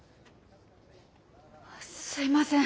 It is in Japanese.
すみません